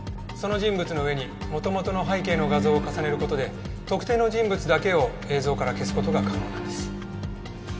その人物の上に元々の背景の画像を重ねる事で特定の人物だけを映像から消す事が可能なんです。